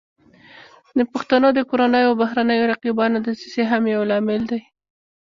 د پښتنو د کورنیو او بهرنیو رقیبانو دسیسې هم یو لامل دی